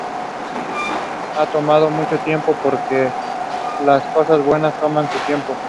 Ha tomado mucho tiempo porque las cosas buenas toman su tiempo.